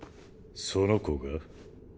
その子が？